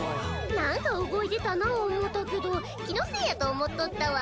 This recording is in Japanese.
なんか動いてたなぁ思うたけど気のせいやと思っとったわ。